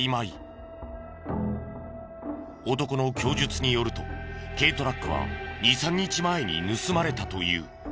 男の供述によると軽トラックは２３日前に盗まれたという。